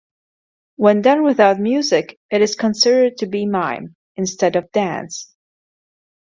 When done without music it is considered to be mime, instead of dance.